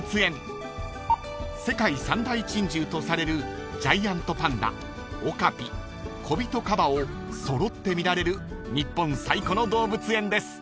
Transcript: ［世界三大珍獣とされるジャイアントパンダオカピコビトカバを揃って見られる日本最古の動物園です］